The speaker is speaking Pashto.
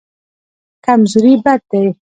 کمزوري بد دی.